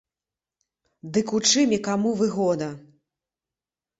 Дык у чым і каму выгода?